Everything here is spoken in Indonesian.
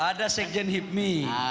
ada sekjen hibmi